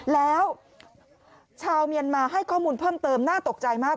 แล้วชาวเมียนมาให้ข้อมูลเพิ่มเติมน่าตกใจมาก